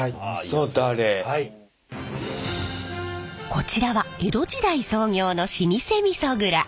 こちらは江戸時代創業の老舗味噌蔵。